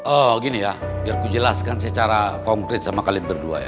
oh gini ya biar ku jelaskan secara konkret sama kalian berdua ya